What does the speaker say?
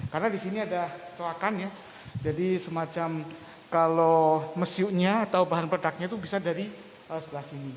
karena di sini ada toakan ya jadi semacam kalau mesiunya atau bahan pedangnya itu bisa dari sebelah sini